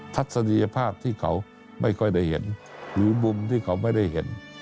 ทัศนียภาพที่เขาไม่ค่อยได้เห็นหรือมุมที่เขาไม่ได้เห็น